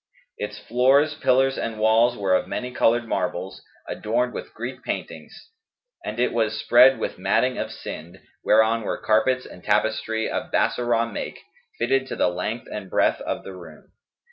Its floors, pillars and walls were of many coloured marbles, adorned with Greek paintings: and it was spread with matting of Sind[FN#214] whereon were carpets and tapestry of Bassorah make, fitted to the length and breadth of the room.